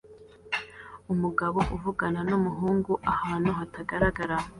Umugabo avugana numuhungu ahantu hatagaragara